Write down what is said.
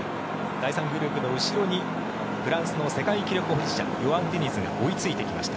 第３グループの後ろにフランスの世界記録保持者ヨアン・ディニズが追いついてきました。